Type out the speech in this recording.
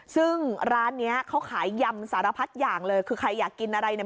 ซึ่งร้านเนี้ยเขาขายยำสารพัดอย่างเลยคือใครอยากกินอะไรเนี่ย